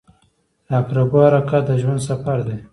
• د عقربو حرکت د ژوند سفر دی.